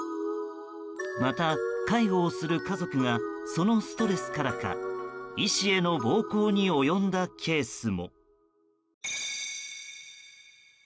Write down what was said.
また、介護をする家族がそのストレスからか医師への暴行に及んだケースも。